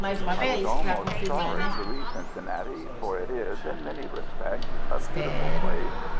I was almost sorry to leave Cincinnati, for it is, in many respects, a beautiful place.